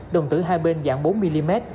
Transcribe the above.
đồng tử hai bên dạng bốn mm